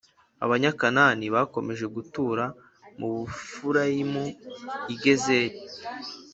Abanyakanani bakomeje gutura mu Befurayimu i Gezeri.